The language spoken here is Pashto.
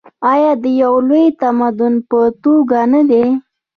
آیا د یو لوی تمدن په توګه نه دی؟